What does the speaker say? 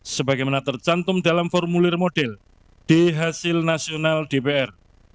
sebagaimana tercantum dalam formulir model di hasil nasional dpr